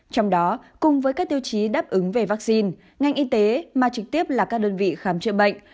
trong đó cùng với các tiêu chí đáp ứng về vaccine ngành y tế mà trực tiếp là các đơn vị khám chữa bệnh